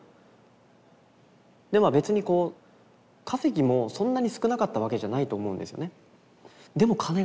でまあ別にこう稼ぎもそんなに少なかったわけじゃないと思うんですよね。